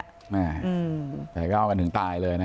แม่แต่ก็เอากันถึงตายเลยนะ